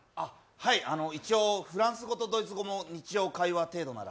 はい、あの一応フランス語とドイツ語も日常会話程度なら。